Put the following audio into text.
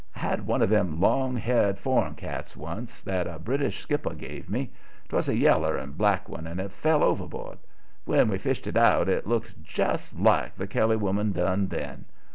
I had one of them long haired, foreign cats once that a British skipper gave me. 'Twas a yeller and black one and it fell overboard. When we fished it out it looked just like the Kelly woman done then.